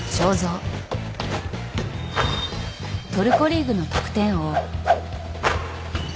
トルコリーグの得点王。